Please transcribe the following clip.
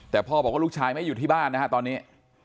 แต่พ่อบอกว่าลูกชายไม่อยู่ที่บ้านนะฮะตอนนี้